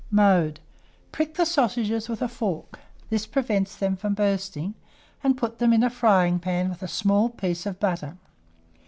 Mode. Prick the sausages with a fork (this prevents them from bursting), and put them into a frying pan with a small piece of butter.